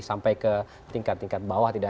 sampai ke tingkat tingkat bawah tidak